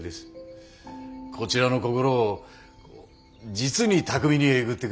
こちらの心を実に巧みにえぐってくる。